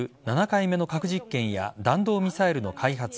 ７回目の核実験や弾道ミサイルの開発